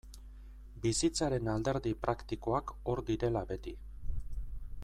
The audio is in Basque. Bizitzaren alderdi praktikoak hor direla beti.